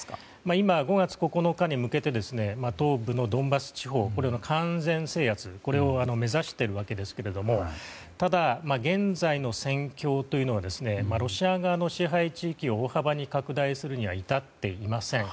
今、５月９日に向けて東部のドンバス地方の完全制圧を目指しているわけですがただ、現在の戦況というのはロシア側の支配地域を大幅に拡大するには至っていません。